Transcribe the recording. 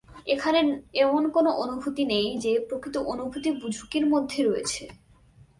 এখানে এমন কোনো অনুভূতি নেই যে, প্রকৃত অনুভূতি ঝুঁকির মধ্যে রয়েছে।'